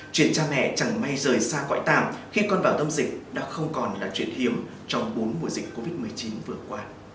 chuyện cha mẹ chẳng may rời xa cõi tàng khi con vào tâm dịch đã không còn là chuyện hiếm trong bốn mùa dịch covid một mươi chín vừa qua